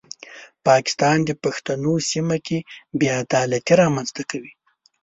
پاکستان د پښتنو سیمه کې بې عدالتي رامنځته کوي.